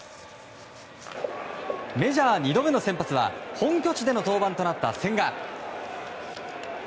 メジャー２度目の先発は本拠地での登板となった千賀。